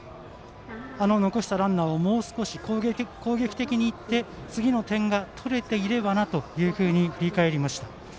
残したランナーをもう少し攻撃的にいって次の点が取れていればなと振り返りました。